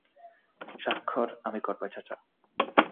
স্বাক্ষর আমি করব, চাচা।